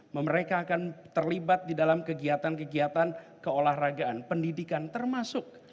mereka akan terlibat di dalam kegiatan kegiatan keolahragaan pendidikan termasuk